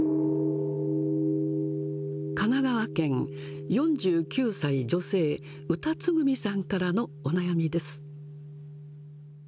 神奈川県、４９歳女性、うたつぐみさんからのお悩みです。